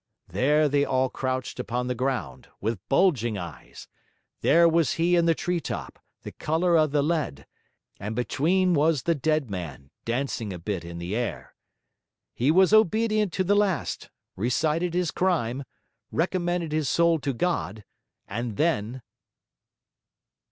There they all crouched upon the ground, with bulging eyes; there was he in the tree top, the colour of the lead; and between was the dead man, dancing a bit in the air. He was obedient to the last, recited his crime, recommended his soul to God. And then...'